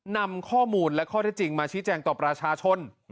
นำข้อมูลและข้อที่จริงมาชี้แจงต่อประชาชน